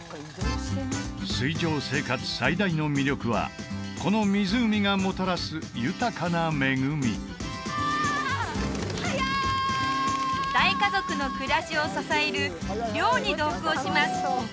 水上生活最大の魅力はこの湖がもたらす豊かな恵み大家族の暮らしを支える漁に同行します